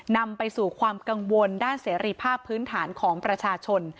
นำไปสู่ความกังวลด้านเสรีภาพพื้นฐานของประชาชน